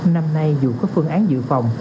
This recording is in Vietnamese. năm nay dù có phương án giữ phòng